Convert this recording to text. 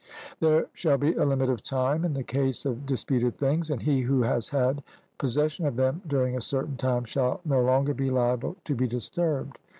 There shall be a limit of time in the case of disputed things, and he who has had possession of them during a certain time shall no longer be liable to be disturbed.